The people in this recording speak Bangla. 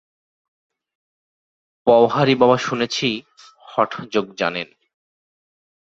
পওহারী বাবা শুনেছি, হঠযোগ জানেন।